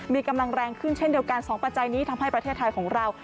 มีกำลังแรงขึ้นเช่นเดียวกัน๒ปัจจัยนี้ทำให้ประเทศไทยของเรา